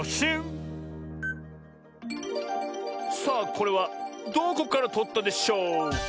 さあこれはどこからとったでしょうキャ？